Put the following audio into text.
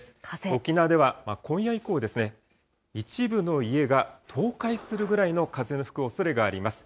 沖縄では今夜以降、一部の家が倒壊するぐらいの風の吹くおそれがあります。